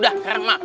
udah keren mak